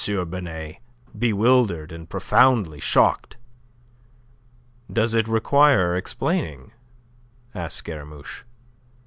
Binet, bewildered and profoundly shocked. "Does it require explaining?" asked Scaramouche.